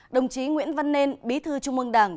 đồng chí nguyễn văn nên bí thư trung mương đảng